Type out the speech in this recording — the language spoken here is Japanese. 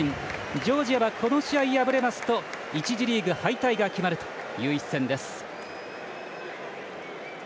ジョージアはこの試合敗れますと１次リーグ敗退が決まるという一戦です。